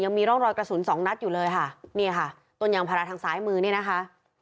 ยังมีร่องรอยกระสุนสองนัดอยู่เลยค่ะนี่ค่ะต้นยางพาราทางซ้ายมือนี่นะคะ